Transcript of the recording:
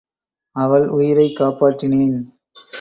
அவள் உயிரைக் காப்பாற்றினேன்.